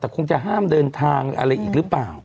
แต่คงจะห้ามเดินทางอะไรอีกหรือเปล่า